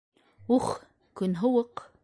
— Ух, көн һыуыҡ.